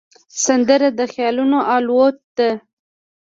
سندره د خیالونو الوت ده